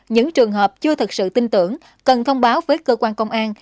những trường hợp chưa thực sự tin tưởng cần thông báo với cơ quan công an